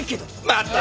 また！